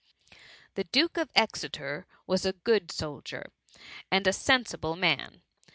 19* The Duke of Exeter was a good soldier, and a sensible man.